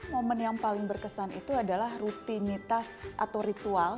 momen yang paling berkesan itu adalah rutinitas atau ritual